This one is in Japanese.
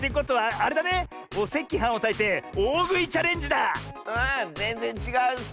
あぜんぜんちがうッス！